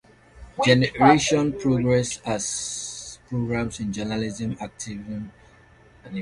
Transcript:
Generation Progress has programs in journalism, activism and events.